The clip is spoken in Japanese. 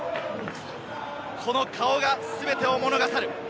この顔が全てを物語る。